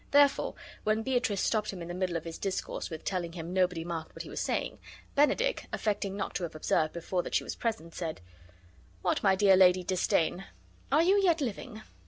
Therefore, when Beatrice stopped him in the middle of his discourse with telling him nobody marked what he was saying, Benedick, affecting not to have observed before that she was present, said: "What, my dear Lady Disdain, are you yet living?"